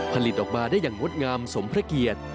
ผลิตออกมาได้อย่างงดงามสมพระเกียรติ